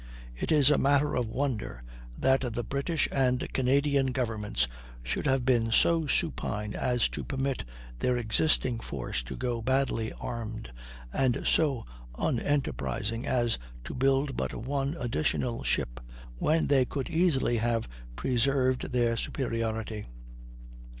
It is a matter of wonder that the British and Canadian governments should have been so supine as to permit their existing force to go badly armed, and so unenterprising as to build but one additional ship, when they could easily have preserved their superiority.